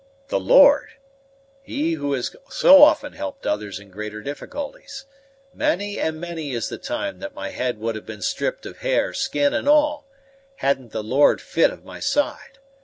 "The Lord! He who has so often helped others in greater difficulties. Many and many is the time that my head would have been stripped of hair, skin, and all, hadn't the Lord fi't of my side.